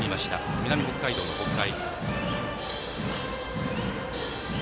南北海道の北海。